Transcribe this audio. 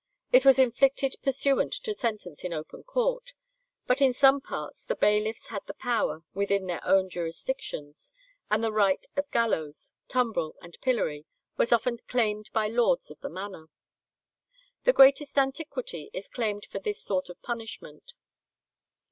It was inflicted pursuant to sentence in open court, but in some parts the bailiffs had the power within their own jurisdictions, and the right of gallows, tumbrel, and pillory was often claimed by lords of the manor. The greatest antiquity is claimed for this sort of punishment.